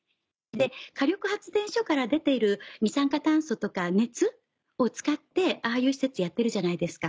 火力発電所から出ている二酸化炭素とか熱を使ってああいう施設やってるじゃないですか。